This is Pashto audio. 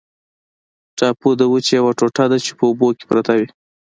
ټاپو د وچې یوه ټوټه ده چې په اوبو کې پرته وي.